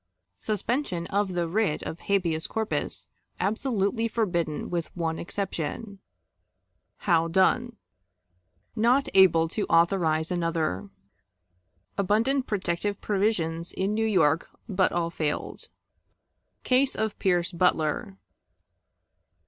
Suspension of the Writ of Habeas Corpus absolutely forbidden with One Exception. How done. Not able to authorize another. Abundant Protective Provisions in New York, but all failed. Case of Pierce Butler.